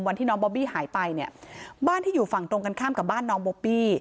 วันที่น้องบอบบี้หายไปเนี่ยบ้านที่อยู่ฝั่งตรงกันข้ามกับบ้านน้องบอบบี้